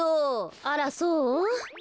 あらそう？